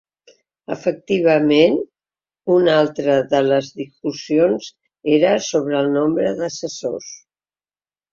Efectivament una altra de les discussions era sobre el nombre d’assessors.